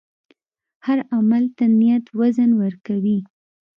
هر عمل ته نیت وزن ورکوي.